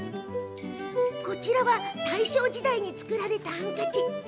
こちらは、大正時代に作られたハンカチ。